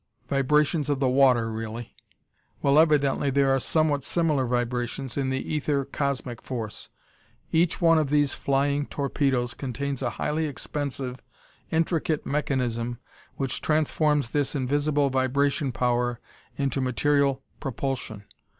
Vibrations of the water, really. Well, evidently there are somewhat similar vibrations in the ether, cosmic force. Each one of these flying torpedoes contains a highly expensive, intricate mechanism which transforms this invisible vibration power into material propulsion.